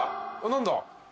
何だ？